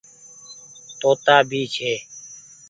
توتآ ڀي ڇي۔